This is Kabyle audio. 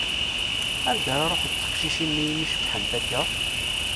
Anda ara ṛuḥent teqcicin-nni i mi cebbḥent akka?